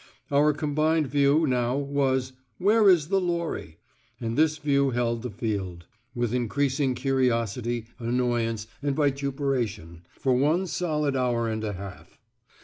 Our combined view now was "Where is the lorry?" and this view held the field, with increasing curiosity, annoyance, and vituperation, for one solid hour and a half.